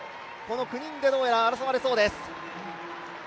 この９人でどうやら争われそうですね。